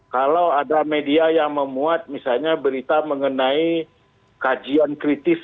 kalau ada media yang memuat misalnya berita mengenai kajian kritis